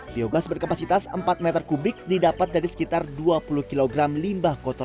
biogas berkapasitas empat meter kubik didapat dari bapak ibu